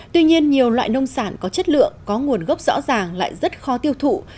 tuy nhiên nhiều loại nông sản có chất lượng có nguồn gốc rõ ràng lại rất khó tiêu thụ